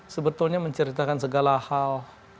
sebetulnya menceritakan segala hal